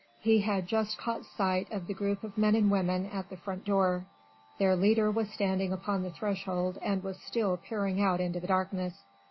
He had just caught sight of the group of men and women at the front door: their leader was standing upon the threshold and was still peering out into the darkness.